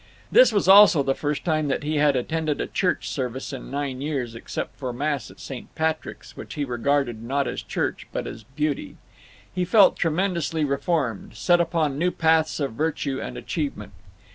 This was also the first time that he had attended a church service in nine years, except for mass at St. Patrick's, which he regarded not as church, but as beauty. He felt tremendously reformed, set upon new paths of virtue and achievement.